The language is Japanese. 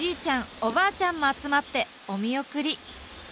おばあちゃんも集まってお見送り。